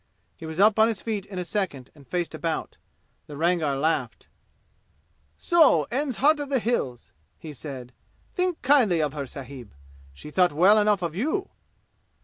He was up on his feet in a second and faced about. The Rangar laughed. "So ends the 'Heart of the Hills!'" he said. "Think kindly of her, sahib. She thought well enough of you!"